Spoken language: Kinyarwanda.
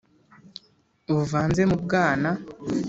buvanze mu bwana